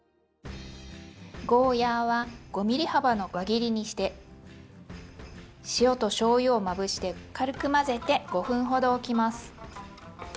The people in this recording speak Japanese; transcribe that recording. ゴーヤーは５ｍｍ幅の輪切りにして塩としょうゆをまぶして軽く混ぜて５分ほどおきます。